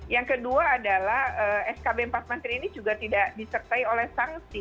yang kedua adalah skb empat menteri ini juga tidak disertai oleh sanksi